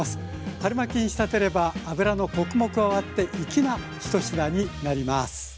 春巻に仕立てればあぶらのコクも加わって粋な１品になります。